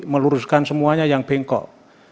meluruskan semuanya yang bengkok